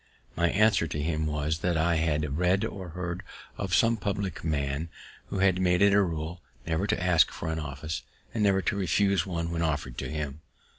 My answer to him was, that I had read or heard of some public man who made it a rule never to ask for an office, and never to refuse one when offer'd to him.